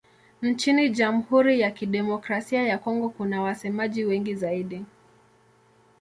Nchini Jamhuri ya Kidemokrasia ya Kongo kuna wasemaji wengi zaidi.